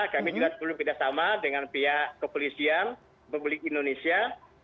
kami juga sebelumnya bersama dengan pihak kepolisian publik indonesia